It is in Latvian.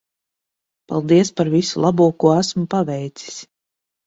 Paldies par visu labo ko esmu paveicis.